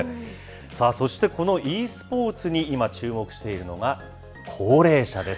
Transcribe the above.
さあ、そしてこのｅスポーツに今、注目しているのが高齢者です。